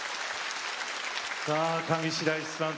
さあ上白石さん